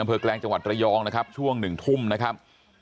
แกลงจังหวัดระยองนะครับช่วงหนึ่งทุ่มนะครับ